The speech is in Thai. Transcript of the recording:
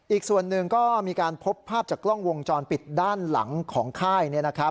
อีกส่วนหนึ่งก็มีการพบภาพจากกล้องวงจรปิดด้านหลังของค่าย